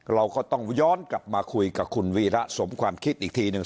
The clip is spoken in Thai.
เราก็ต้องย้อนกลับมาคุยกับคุณวีระสมความคิดอีกทีหนึ่ง